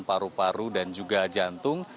paru paru dan juga jantung